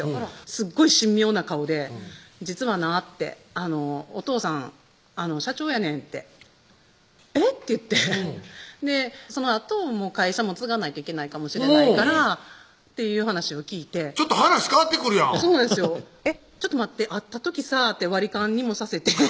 すっごい神妙な顔で「実はな」って「お父さん社長やねん」って「えっ？」って言ってうんそのあと「会社も継がないといけないかもしれないから」っていう話を聞いてちょっと話変わってくるやん「えっちょっと待って会った時さぁ割り勘にもさせて」